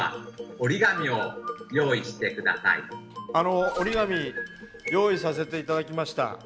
折り紙用意させて頂きました。